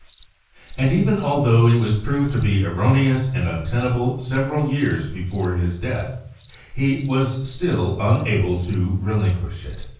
And even although it was proved to be erroneous and untenable several years before his death, he was still unable to relin quish it.